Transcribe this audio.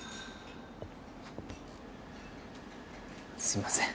すいません。